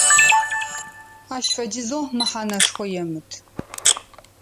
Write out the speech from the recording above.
Ащ фэдизэу мэхьанэшхо емыт.